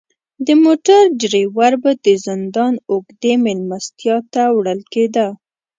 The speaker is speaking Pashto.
د موټر دریور به د زندان اوږدې میلمستیا ته وړل کیده.